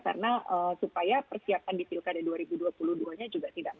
karena supaya persiapan di pilkada dua ribu dua puluh dua nya juga tidak mensuruh